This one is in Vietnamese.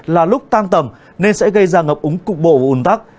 là lúc tăng tầm nên sẽ gây ra ngập úng cục bộ và ủn tắc